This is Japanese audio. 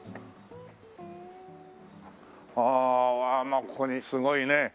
ああここにすごいね。